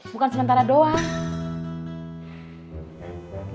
bukan sementara doang